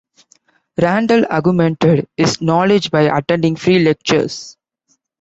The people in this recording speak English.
Randal augmented his knowledge by attending free lectures.